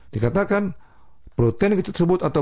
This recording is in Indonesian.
dikatakan protein kecil tersebut